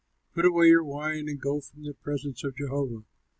Put away your wine and go from the presence of Jehovah."